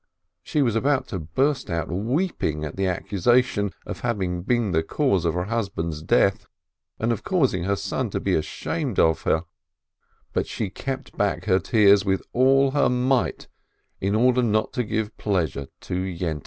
She was about to burst out weeping at the accusation of having been the cause of her husband's death and of causing her son to be ashamed of her, but she kept back her tears with all her might in order not to give pleasure to Yente.